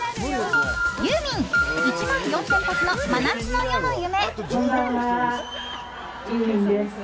ユーミン、１万４０００発の「真夏の夜の夢」。